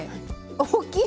大きい！